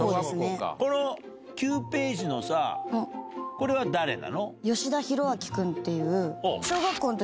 ９ページのこれは誰なの？